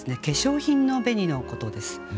化粧品の紅のことです。